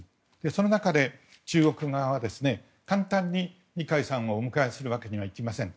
その中で中国側は簡単に二階さんをお迎えするわけにはいきません。